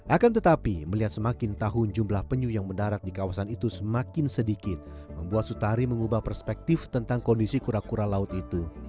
akan tetapi melihat semakin tahun jumlah penyu yang mendarat di kawasan itu semakin sedikit membuat sutari mengubah perspektif tentang kondisi kura kura laut itu